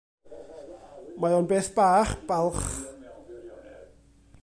Mae o'n beth bach balch.